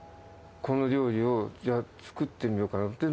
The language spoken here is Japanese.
この料理を作ってみようかなって。